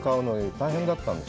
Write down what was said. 大変だったんです。